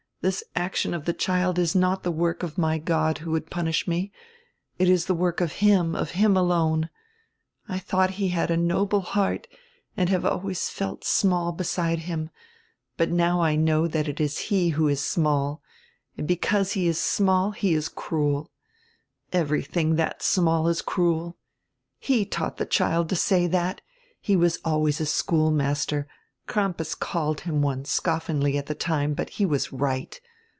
This action of die child is not die work of my God who would punish me, it is the work of him, and him alone. I thought he had a noble heart and have always felt small beside him, but now I know that it is he who is small. And because he is small he is cruel. Everything that is small is cruel. He taught die child to say that. He always was a school master, Crampas called him one, scoffingly at the time, but he was right.